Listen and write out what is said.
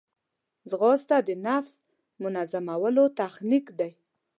ځغاسته د نفس منظمولو تخنیک دی